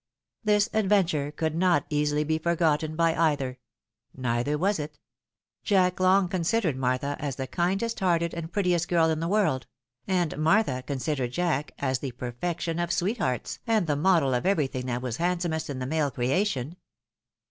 This adventure could not easily be forgotten by either, — neither was it. Jack long considered Martha as the kindest hearted and prettiest girl in the world ; and Martha considered Jack as the perfection of sweethearts, and the model of every tliing that was handsomest in the male creation.